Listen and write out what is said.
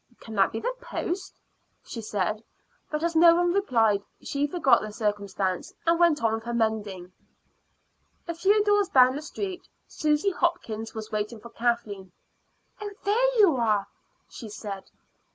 "Can that be the post?" she said; but as no one replied, she forgot the circumstance and went on with her mending. A few doors down the street Susy Hopkins was waiting for Kathleen. "Oh, there you are!" she said.